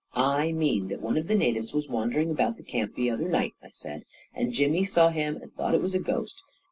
44 I mean that one of the natives was wandering about the camp the other night," I said, * 4 and Jimmy saw him and thought it was a ghost.